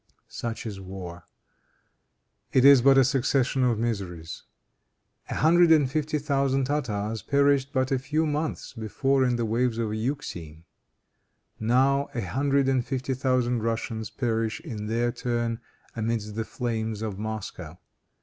Such is war. It is but a succession of miseries. A hundred and fifty thousand Tartars perished but a few months before in the waves of the Euxine. Now, a hundred and fifty thousand Russians perish, in their turn, amidst the flames of Moscow.